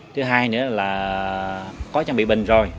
thứ hai nữa là có trang bị bình rồi